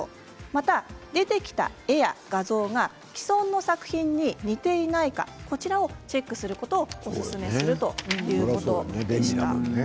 また、出てきた絵や画像が既存の作品に似ていないかをチェックすることをおすすめするということです。